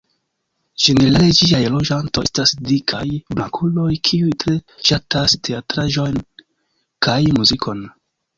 Ĝenerale, ĝiaj loĝantoj estas dikaj blankuloj kiuj tre ŝatas teatraĵon kaj muzikon.